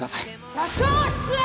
社長室へ！